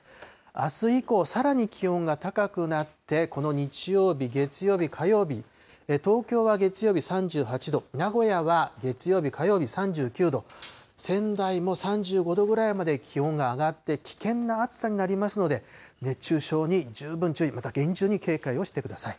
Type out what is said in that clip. あす以降、さらに気温が高くなって、この日曜日、月曜日、火曜日、東京は月曜日３８度、名古屋は月曜日、火曜日３９度、仙台も３５度ぐらいまで気温が上がって、危険な暑さになりますので、熱中症に十分注意、また厳重に警戒をしてください。